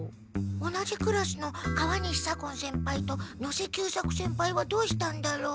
同じクラスの川西左近先輩と能勢久作先輩はどうしたんだろう？